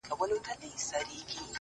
• په دې باب دي څه لوستلي دي که نه دي,